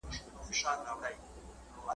له یوې توري تر بلي د منزل پر لور خوځيږو `